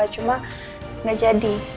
cuma nggak jadi